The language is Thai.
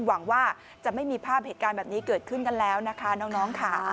หวังว่าจะไม่มีภาพเหตุการณ์แบบนี้เกิดขึ้นกันแล้วนะคะน้องค่ะ